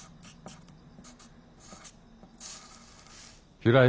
平井